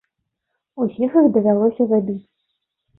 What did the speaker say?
Усіх іх давялося забіць.